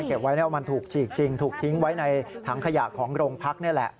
เก็บไว้ว่ามันถูกฉีกจริงถูกทิ้งไว้ในถังขยะของโรงพักนี่แหละ